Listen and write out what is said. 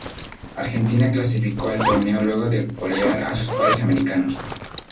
Argentina clasificó al torneo luego de golear a sus pares americanos.